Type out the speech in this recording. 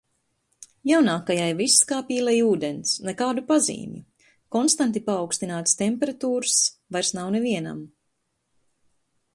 Jaunākajai viss kā pīlei ūdens – nekādu pazīmju. Konstanti paaugstinātas temperatūras vairs nav nevienam.